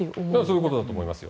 そういうことだと思います。